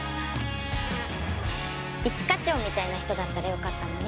一課長みたいな人だったらよかったのに。